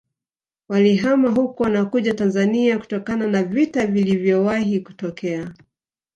Walihama huko na kuja Tanzania kutokana na vita vilivyowahi kutokea